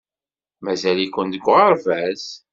Mazal-iken deg uɣerbaz?